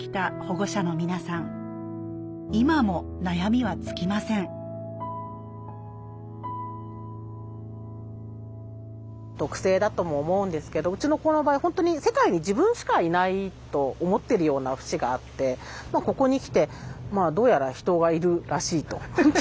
今も悩みは尽きません特性だとも思うんですけどウチの子の場合本当に世界に自分しかいないと思ってるような節があってまあここに来てどうやら人がいるらしいと気付いて。